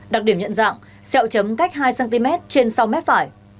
đặc điểm nhận dạng xeo chấm cách hai cm trên sáu m phải